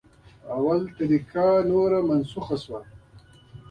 لومړۍ طریقه نوره منسوخه شوه.